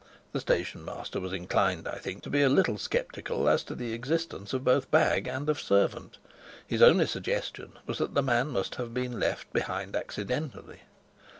The station master was inclined, I think, to be a little skeptical as to the existence both of bag and of servant. His only suggestion was that the man must have been left behind accidentally.